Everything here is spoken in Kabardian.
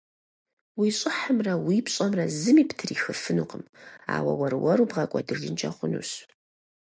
Уи щӀыхьымрэ уи пщӀэмрэ зыми птрихыфынукъым, ауэ уэр-уэру бгъэкӀуэдыжынкӀэ хъунущ.